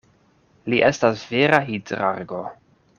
Li estas vera hidrargo.